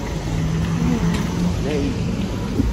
Win d aydi.